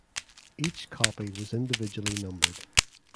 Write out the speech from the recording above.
Each copy was individually numbered.